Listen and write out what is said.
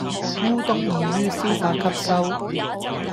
烏冬易於消化吸收